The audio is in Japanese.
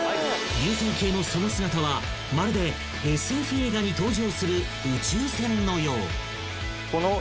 ［流線形のその姿はまるでＳＦ映画に登場する宇宙船のよう］